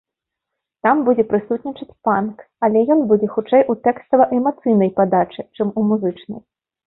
Там будзе прысутнічаць панк, але ён будзе хутчэй у тэкстава-эмацыйнай падачы, чым у музычнай.